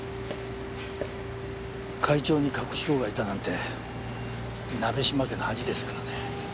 会長に隠し子がいたなんて鍋島家の恥ですからね。